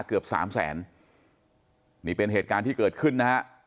เกือบสามแสนนี่เป็นเหตุการณ์ที่เกิดขึ้นนะฮะ